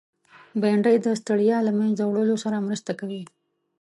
بېنډۍ د ستړیا له منځه وړلو سره مرسته کوي